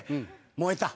燃えた？